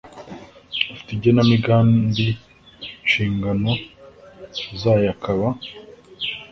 ifite igenamigambi nshingano zayo akaba